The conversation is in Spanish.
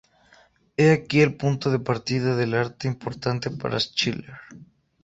He aquí el punto de partida del Arte importante para Schiller.